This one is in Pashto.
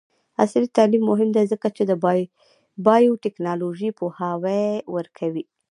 عصري تعلیم مهم دی ځکه چې د بایوټیکنالوژي پوهاوی ورکوي.